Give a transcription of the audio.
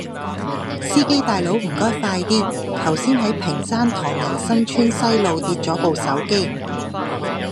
司機大佬唔該快啲，頭先喺屏山唐人新村西路跌左部手機